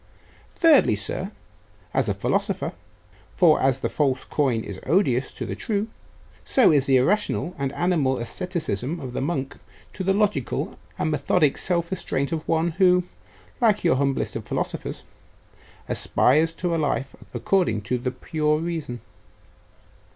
Thirdly, sir, as a philosopher; for as the false coin is odious to the true, so is the irrational and animal asceticism of the monk, to the logical and methodic self restraint of one who, like your humblest of philosophers, aspires to a life according to the pure reason.